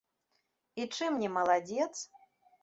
І чым не маладзец?